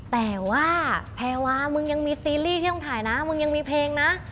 แต่ว่าแพรวามึงยังมีซีรีส์ที่ต้องถ่ายนะมึงยังมีเพลงนะ